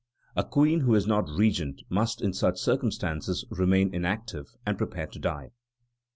A queen who is not regent must in such circumstances remain inactive and prepare to die."